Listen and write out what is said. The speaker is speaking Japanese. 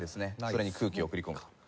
それに空気を送り込む。